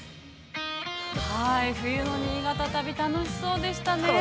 ◆はい、冬の新潟旅、楽しそうでしたね。